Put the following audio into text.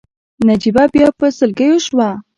نجيبه بيا په سلګيو شوه.